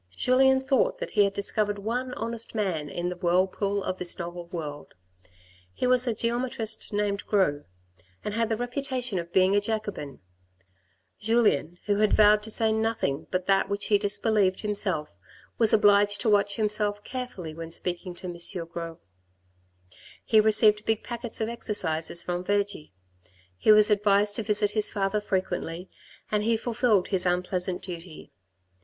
Julien thought that he had discovered one honest man in the whirlpool of this novel world. He was a geometrist named Gros, and had the reputation of being a Jacobin. Julien, who had vowed to say nothing but that which he disbelieved himself, was obliged to watch himself carefully when speaking to M. Gros. He received big packets of exercises from Vergy. He was advised to visit his father frequently, and he fulfilled his unpleasant duty.